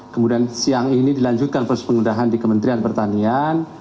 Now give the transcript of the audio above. kemudian siang ini dilanjutkan proses pengudahan di kementerian pertanian